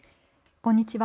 こんにちは。